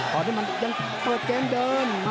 ตอนนี้มันยังเปิดเกมเดิน